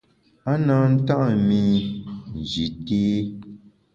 A na nta’ mi Nji té.